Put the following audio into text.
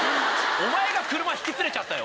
お前が車引き連れちゃったよ！